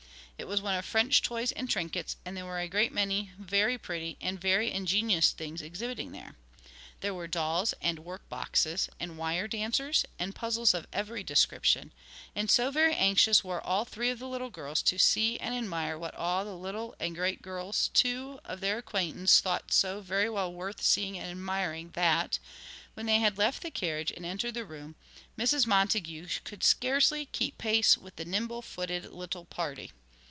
It was one of French toys and trinkets, and there were a great many very pretty and very ingenious things exhibiting there. There were dolls, and workboxes, and wire dancers, and puzzles of every description. And so very anxious were all three of the little girls to see and admire what all the little and great girls, too, of their acquaintance thought so very well worth seeing and admiring that, when they had left the carriage and entered the room, Mrs. Montague could scarcely keep pace with the nimble footed little party.